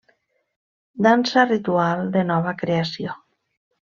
Dansa ritual de nova creació.